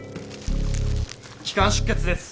気管出血です。